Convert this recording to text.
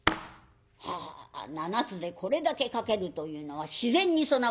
「はあ７つでこれだけ書けるというのは自然に備わっておりますな。